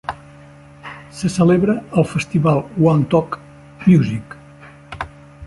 Se celebra el Festival Wantok Music.